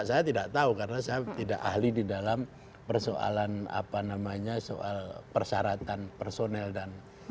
saya tidak tahu karena saya tidak ahli di dalam persoalan apa namanya soal persyaratan personel dan